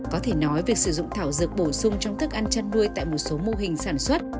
có thể nói việc sử dụng thảo dược bổ sung trong thức ăn chăn nuôi tại một số mô hình sản xuất